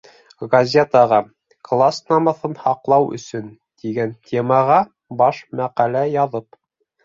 Газетаға «Класс намыҫын һаҡлау өсөн» тигән темаға баш мәҡәлә яҙып